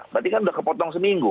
berarti kan sudah kepotong seminggu